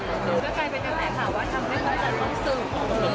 ก็กลายไปตั้งแต่ถามว่าทำไมพระอาจารย์ต้องสื่อบุญ